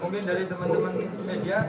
mungkin dari teman teman media